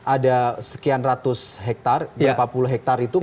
ada sekian ratus hektar berapa puluh hektare itu